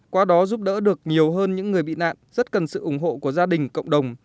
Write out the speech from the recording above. qua đó giúp đỡ được nhiều hơn những người bị nạn rất cần sự ủng hộ của gia đình cộng đồng